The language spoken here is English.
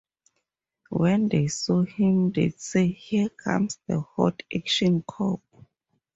When they saw him they'd say, here comes the hot action cop.